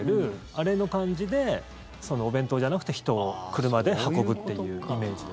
あれの感じで、お弁当じゃなくて人を車で運ぶってイメージです。